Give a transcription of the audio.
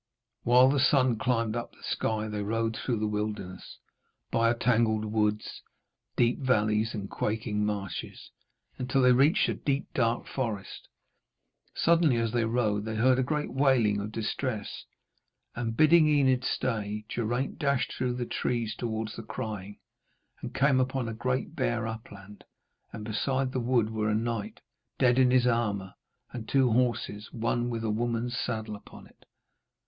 While the sun climbed up the sky they rode through the wilderness, by tangled woods, deep valleys and quaking marshes, until they reached a deep dark forest. Suddenly as they rode they heard a great wailing of distress, and bidding Enid stay, Geraint dashed through the trees towards the crying, and came out upon a great bare upland, and beside the wood were a knight, dead in his armour, and two horses, one with a woman's saddle upon it.